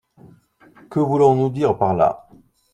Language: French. Que voulons-nous dire par là ?